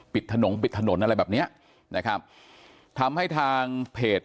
ปิดถนนปิดถนนอะไรแบบเนี้ยนะครับทำให้ทางเพจ